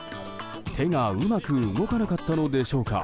手がうまく動かなかったのでしょうか。